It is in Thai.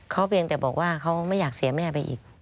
เขาเพียงแต่บอกว่าเขาไม่อยากเสียแม่ไปอีก